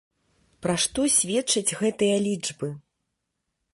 Пра што сведчаць гэтыя лічбы?